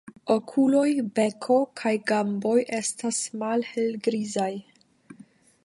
Okuloj, beko kaj gamboj estas malhelgrizaj.